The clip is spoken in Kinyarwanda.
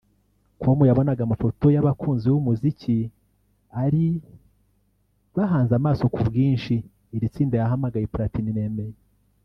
com yabonaga amafoto y’abakunzi b’umuziki ari bahanze amaso ku bwinshi iri tsinda yahamagaye Platini Nemeye